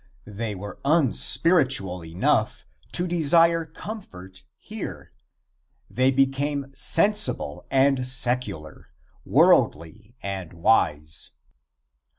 They were unspiritual enough to desire comfort here. They became sensible and secular, worldly and wise.